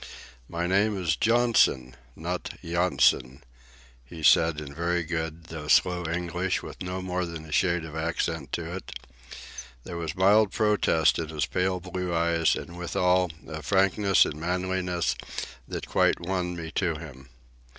"My name is Johnson, not Yonson," he said, in very good, though slow, English, with no more than a shade of accent to it. There was mild protest in his pale blue eyes, and withal a timid frankness and manliness that quite won me to him.